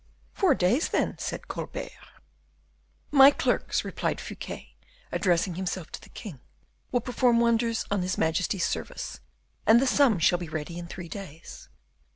"Four days, then," said Colbert. "My clerks," replied Fouquet, addressing himself to the king, "will perform wonders on his majesty's service, and the sum shall be ready in three days."